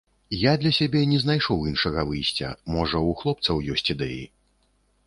Я для сябе не знайшоў іншага выйсця, можа, у хлопцаў ёсць ідэі.